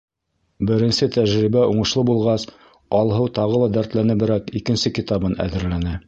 Беренсе тәжрибә уңышлы булғас, Алһыу тағы ла дәртләнеберәк икенсе китабын әҙерләне.